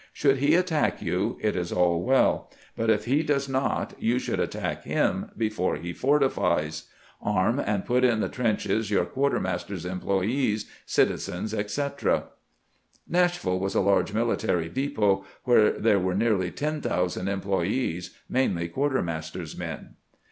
Should he attack you, it is all weU; but if he does not, you should attack him before he fortifies. Arm and put in the trenches your quartermaster's employees, citi zens, etc." Nashville was a large mihtary depot where 334 CAMPAIGNING WITH GEANT there were nearly 10,000 employees, mainly quarter master's men.